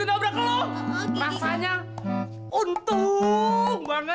kalau ngejep jep jep rasanya untung banget